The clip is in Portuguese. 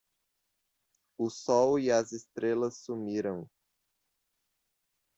O sol e as estrelas sumiram